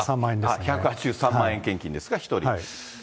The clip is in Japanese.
１８３万円献金ですか、１人。